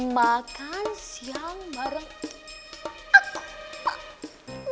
makan siang bareng